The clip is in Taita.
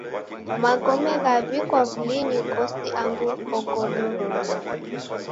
Magome ghaw'ikwa w'ulinyi kosi angu ogodoronyi.